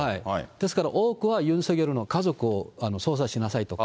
ですから、多くはユン・ソギョルの家族を捜査しなさいと。